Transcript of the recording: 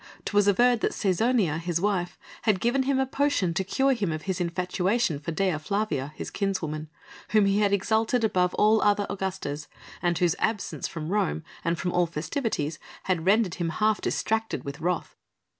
'Twas averred that Cæsonia, his wife, had given him a potion to cure him of his infatuation for Dea Flavia, his kinswoman, whom he had exalted above all the other Augustas, and whose absence from Rome and from all festivities had rendered him half distracted with wrath.